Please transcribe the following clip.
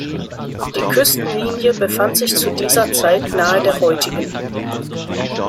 Die Küstenlinie befand sich zu dieser Zeit nahe der heutigen.